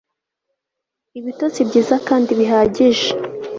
ibitotsi byiza kandi bihagije